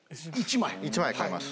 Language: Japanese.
１枚替えます。